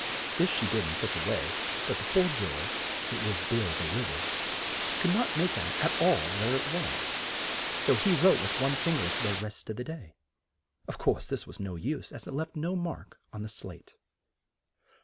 This she did in such a way that the poor ju ror (it was Bill, the Liz ard) could not make out at all where it was, so he wrote with one fin ger for the rest of the day. Of course, this was of no use, as it left no mark on the slate.